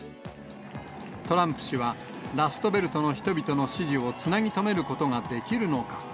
トランプ氏は、ラストベルトの人々の支持をつなぎ止めることができるのか。